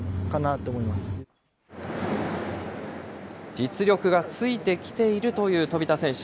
実力がついてきているという飛田選手。